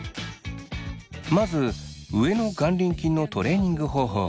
まず上の眼輪筋のトレーニング方法から。